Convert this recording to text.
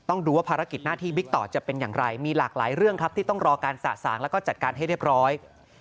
ดูว่าภารกิจหน้าที่บิ๊กต่อจะเป็นอย่างไรมีหลากหลายเรื่องครับที่ต้องรอการสะสางแล้วก็จัดการให้เรียบร้อย